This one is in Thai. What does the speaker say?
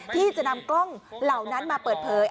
ที่จะนำกล้องเหล่านั้นมาเปิดเผย